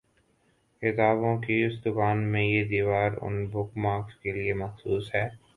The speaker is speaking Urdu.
کتابوں کی اس دکان میں یہ دیوار اُن بک مارکس کےلیے مخصوص ہے